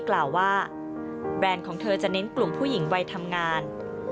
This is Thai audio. กล่าวว่าแบรนด์ของเธอจะเน้นกลุ่มผู้หญิงวัยทำงาน